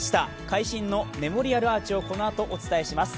会心のメモリアルアーチをこのあと、お伝えします。